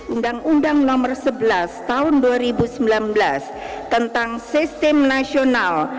undang undang nomor sebelas tahun dua ribu sembilan belas tentang sistem nasional